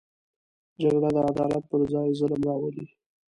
جګړه د عدالت پر ځای ظلم راولي